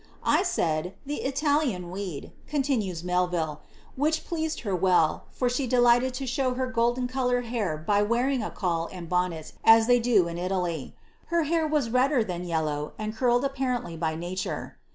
*' I said, 'The Italian weed,'" continues Melville, " whicli ed her well, for she delighted to show her golden coloured hair by ing a cuul and bonnet as they do in Italy. Her hair was redder yellow, and curled apparently by nature."